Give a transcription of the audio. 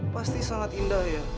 pasti sangat indah ya